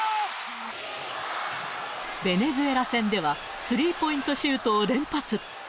ベネズエラ戦では、スリーポイントシュートを連発。